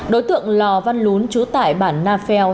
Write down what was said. đối tượng lò văn lún trú tại bản na pheo